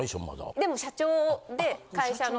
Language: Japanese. でも社長で会社の。